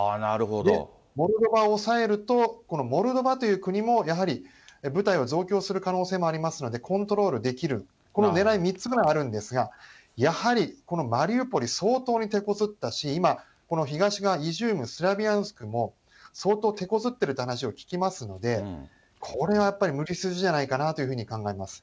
モルドバを押さえると、このモルドバという国もやはり部隊を増強する可能性もありますのでコントロールできる、このねらい、３つぐらいあるんですが、やはりこのマリウポリ、相当にてこずったし、今、この東側、イジューム、スラビャンスクも相当てこずってると聞きますので、これはやっぱり無理筋じゃないかなというふうに考えます。